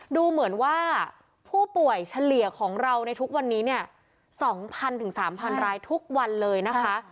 ดูเหมือนว่าผู้ป่วยเฉลี่ยของเราในทุกวันนี้เนี่ย๒๐๐๓๐๐รายทุกวันเลยนะคะ